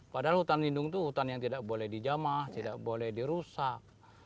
padahal hutan lindung itu hutan yang tidak boleh dijamah tidak boleh dirusak